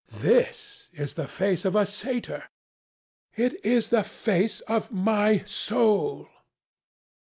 This is the face of a satyr." "It is the face of my soul."